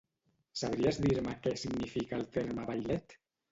Sabries dir-me què significa el terme vailet?